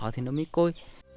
thì nó mới côi